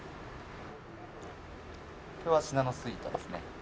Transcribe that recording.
それはシナノスイートですね。